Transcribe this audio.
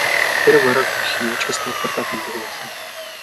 Хэрэв оройтвол юу ч гэж тайлбарлаад нэмэргүй болно.